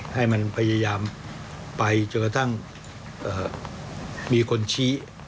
ให้มันพยายามไปจนกระทั่งมีคนชี้